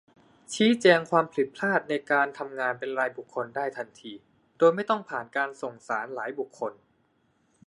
ชี้แจงความผิดพลาดในการทำงานเป็นรายบุคคลได้ทันที โดยไม่ต้องผ่านการส่งสารหลายบุคคล